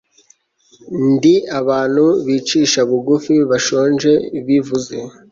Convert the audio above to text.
Ndi abantu bicisha bugufi bashonje bivuze